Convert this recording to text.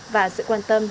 và sự quan tâm